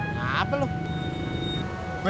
ya bueno lah bu